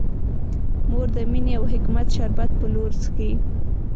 مور د مینې او حکمت شربت په لور څښي.